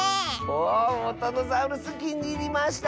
おウォタノザウルスきにいりました！